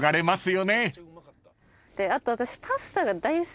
であと私。